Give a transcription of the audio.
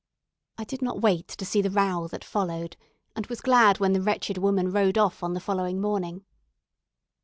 I did not wait to see the row that followed, and was glad when the wretched woman rode off on the following morning.